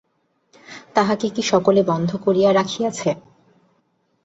তাহাকে কি সকলে বন্ধ করিয়া রাখিয়াছে?